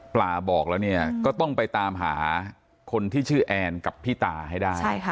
บอกแล้วเนี่ยก็ต้องไปตามหาคนที่ชื่อแอนกับพี่ตาให้ได้